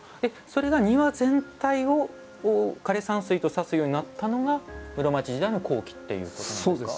それが庭全体を枯山水と指すようになったのが室町時代の後期っていうことなんですか？